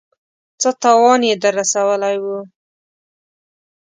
څه تاوان يې در رسولی و.